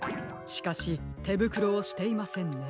しかしてぶくろをしていませんね。